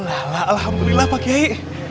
alhamdulillah pak giai